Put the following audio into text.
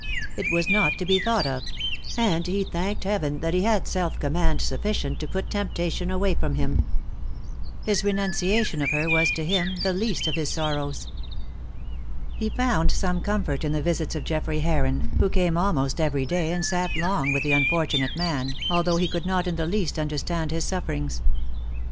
It was not to be thought of; and he thanked Heaven that he had self command sufficient to put temptation away from him. His renunciation of her was, to him, the least of his sorrows. He found some comfort in the visits of Geoffrey Heron, who came almost every day and sat long with the unfortunate man, although he could not in the least understand his sufferings.